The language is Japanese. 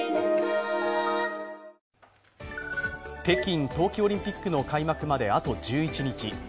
北京冬季オリンピックの開幕まで、あと１１日。